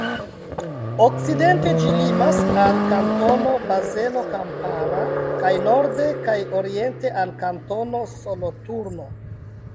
Okcidente ĝi limas al Kantono Bazelo Kampara kaj norde kaj oriente al Kantono Soloturno.